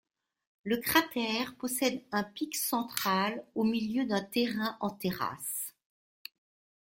Le cratère possède un pic central au milieu d'un terrain en terrasse.